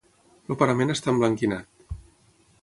El parament està emblanquinat.